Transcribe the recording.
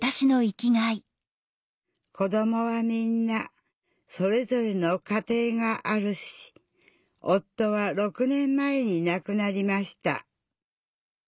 子どもはみんなそれぞれの家庭があるし夫は６年前に亡くなりました。